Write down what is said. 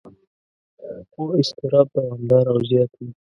خو اضطراب دوامداره او زیات وي.